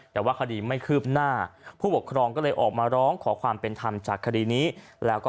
แต่ว่าคดีไม่คืบหน้าผู้ปกครองก็เลยออกมาร้องขอความเป็นธรรมจากคดีนี้แล้วก็